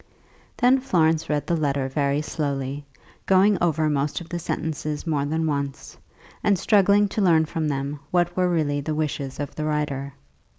Then Florence read the letter very slowly, going over most of the sentences more than once, and struggling to learn from them what were really the wishes of the writer.